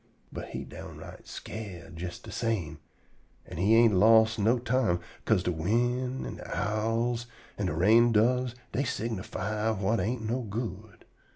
But he downright scared jes de same, an' he ain't lost no time, 'ca'se de wind an' de owls an' de rain doves dey signerfy whut ain't no good.